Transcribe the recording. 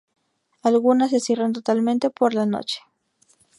Algunas se cierran totalmente por la noche.